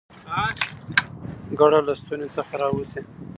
ګړه له ستوني څخه راوزي؟